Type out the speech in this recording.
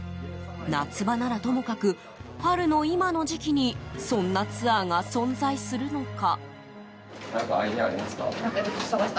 夏場ならともかく春の今の時期にそんなツアーが存在するのか。